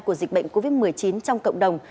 của dịch bệnh covid một mươi chín trong cộng đồng